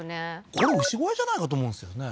これ牛小屋じゃないかと思うんですよね